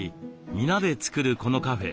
皆で作るこのカフェ。